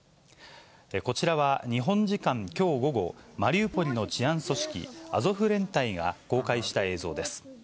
こちらは、日本時間きょう午後、マリウポリの治安組織、アゾフ連隊が公開した映像です。